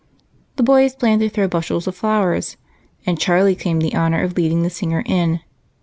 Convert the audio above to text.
The boys planned to throw bushels of flowers, and Charlie claimed the honor of leading the singer in.